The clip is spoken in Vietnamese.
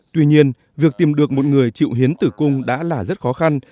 tuy nhiên việc tìm được một người chịu hiến tử cung đã là rất khó khăn